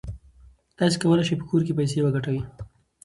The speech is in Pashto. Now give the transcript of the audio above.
تاسو کولای شئ په کور کې پیسې وګټئ.